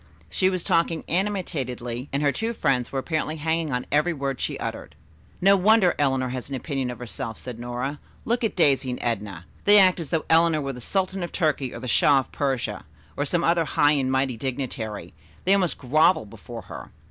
She was talking animatedly and her two friends were apparently hanging on every word she uttered. "No wonder Eleanor has an opinion of herself," said Nora. "Look at Daisy and Edna. They act as though Eleanor were the Sultan of Turkey or the Shah of Persia, or some other high and mighty dignitary. They almost grovel before her."